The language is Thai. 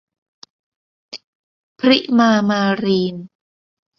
พริมา มารีน